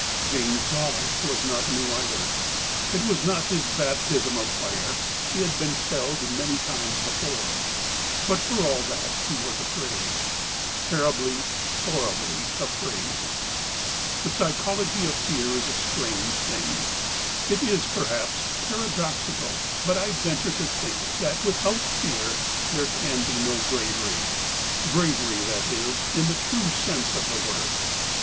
James Dawlish was not new either. It was not his baptism of fire — he'd been shelled many times before ; but for all that he was afraid — terribly, horribly afraid. The psychology of fear is a strange thing. It is perhaps paradoxical, but I venture to think that without fear there can be no bravery — bravery, that is, in the true sense of the word.